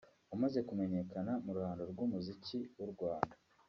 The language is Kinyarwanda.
umaze kumenyekana mu ruhando rw’umuziki w’u Rwanda